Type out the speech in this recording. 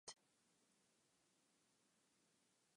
The color electric crimson is displayed on the right.